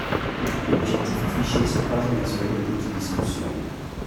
L’objectif affiché se passe bien sûr de toute discussion.